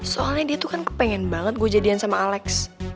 soalnya dia tuh kan kepengen banget gue jadian sama alex